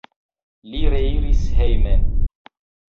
Li reiris hejmen.